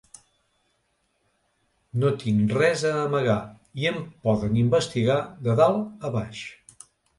No tinc res a amagar i em poden investigar de dalt a baix.